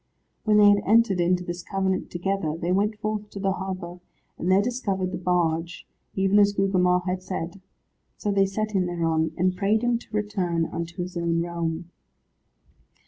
When they had entered into this covenant together, they went forth to the harbour, and there discovered the barge, even as Gugemar had said. So they set him thereon, and prayed him to return unto his own realm.